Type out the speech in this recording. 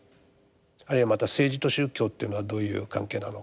あるいはまた政治と宗教というのはどういう関係なのかと。